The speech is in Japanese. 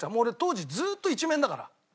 俺当時ずーっと一面だから。